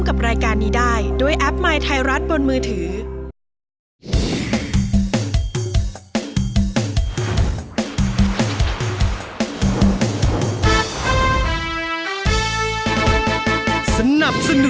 โหลดกันหรือยัง